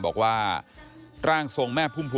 บอกว่าร่างทรงแม่พุ่มพวง